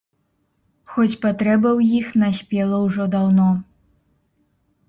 Хоць патрэба ў іх наспела ўжо даўно.